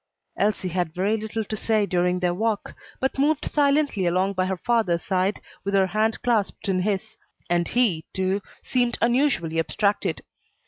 Elsie had very little to say during their walk, but moved silently along by her father's side, with her hand clasped in his; and he, too, seemed unusually abstracted.